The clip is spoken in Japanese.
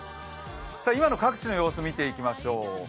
今の各地の様子を見ていきましょう。